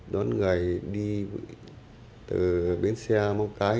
đón người đi từ biến xe móng cái